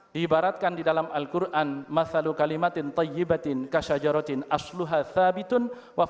agama ibaratkan di dalam al quran